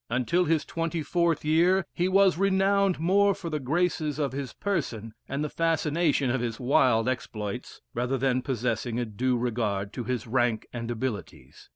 Until his twenty fourth year, he was renowned more for the graces of his person, and the fascination of his wild exploits, rather than possessing a due regard to his rank and abilities.